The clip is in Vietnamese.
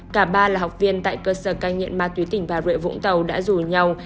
cả ba là học viên tại cơ sở cai nghiện ma túy tỉnh bà rịa vũng tàu đã rủ nhau